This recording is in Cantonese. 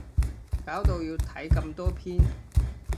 搞到要睇咁多篇